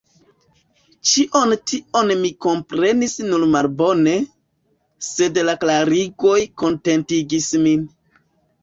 Ĉion tion mi komprenis nur malbone, sed la klarigoj kontentigis min.